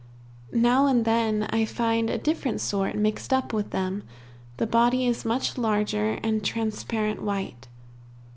Now and then I find a different sort mixed up with them; the body is much larger and transparent white.